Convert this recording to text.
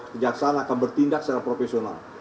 kejaksaan akan bertindak secara profesional